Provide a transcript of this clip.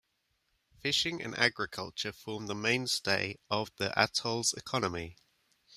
Fishing and agriculture form the mainstay of the atoll's economy.